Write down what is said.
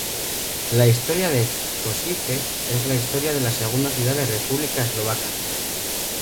La historia de Košice es la historia de la segunda ciudad de República Eslovaca.